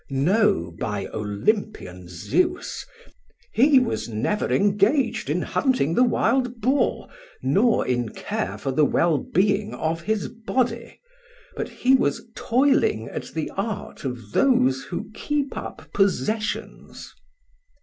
No, by Olympian Zeus, he was never engaged in hunting the wild boar, nor in care for the well being of his body; but he was toiling at the art of those who keep up possessions.